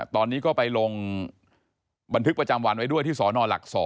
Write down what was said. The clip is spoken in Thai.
ตอนนี้ก็ไปลงบันทึกประจำวันไว้ด้วยที่สนหลัก๒